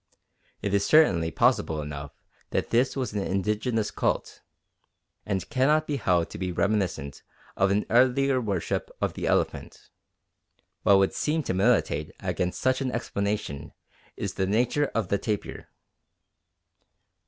It is certainly possible enough that this was an indigenous cult, and cannot be held to be reminiscent of an earlier worship of the elephant. What would seem to militate against such an explanation is the nature of the tapir.